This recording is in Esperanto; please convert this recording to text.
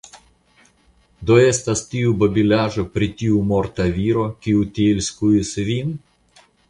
Do estas tiu babilaĵo pri tiu morta viro, kiu tiel skuis vin?